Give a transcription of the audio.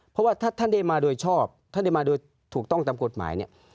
เพราะว่าถ้าท่านได้มาโดยชอบท่านได้มาโดยถูกต้องตามกฎหมายเนี่ย